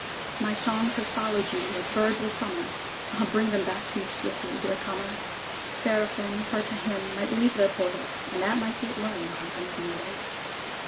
My songs have followed you, Like birds the summer; Ah! bring them back to me, Swiftly, dear comer! _Seraphim, Her to hymn, Might leave their portals; And at my feet learn The harping of mortals!